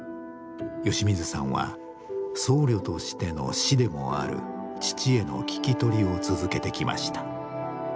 吉水さんは僧侶としての師でもある父への聞き取りを続けてきました。